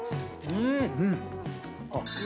うん！